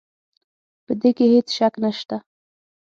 په دې کې هېڅ شک نه شته.